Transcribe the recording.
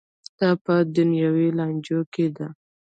دا په دنیوي لانجو کې ده.